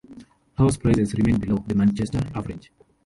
House prices remain below the Manchester average.